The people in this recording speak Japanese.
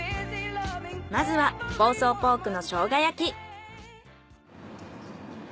まずは房総ポークのしょうが焼き。